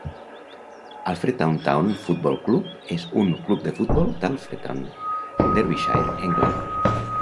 Alfreton Town Football Club és un club de futbol d'Alfreton, Derbyshire, England.